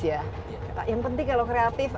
yang penting kalau kreatif